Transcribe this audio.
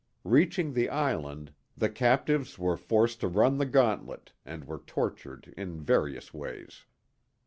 Reaching the island, the captives were forced to run the gauntlet, and were tortured in various ways.